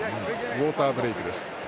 ウォーターブレークです。